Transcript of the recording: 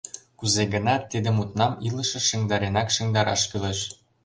Кузе-гынат тиде мутнам илышыш шыҥдаренак шыҥдараш кӱлеш.